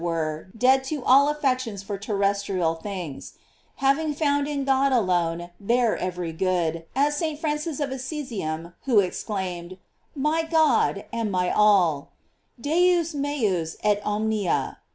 477 were, dead to all affections for terrestrial things, having found in God alone there every good; as St. Francis of Assisium, who exclaimed: My God, and my all: "Deus nieus et ornnia."